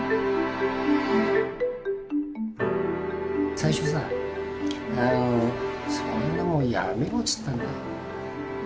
最初さ「そんなもんやめろ」っつったんだ。